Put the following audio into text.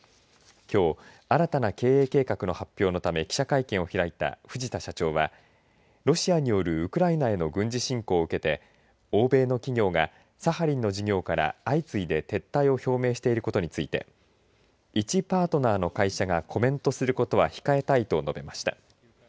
きょう新たな経営計画の発表のため記者会見を開いた藤田社長はロシアによるウクライナへの軍事侵攻を受けて欧米の企業がサハリンの事業から相次いで撤退を表明していることについていちパートナーの会社がコメントすることは控えたいと述べました。